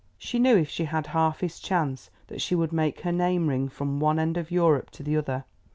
She knew if she had half his chance, that she would make her name ring from one end of Europe to the other.